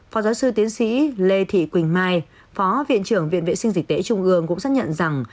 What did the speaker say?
phó giáo sư tiến sĩ lê thị quỳnh mai phó viện trưởng viện vệ sinh dịch tễ trung ương cũng xác nhận rằng